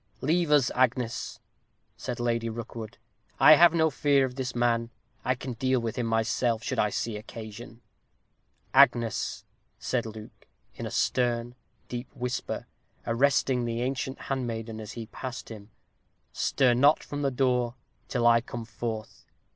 "Leave us, Agnes," said Lady Rookwood. "I have no fear of this man. I can deal with him myself, should I see occasion." "Agnes," said Luke, in a stern, deep whisper, arresting the ancient handmaiden as she passed him, "stir not from the door till I come forth.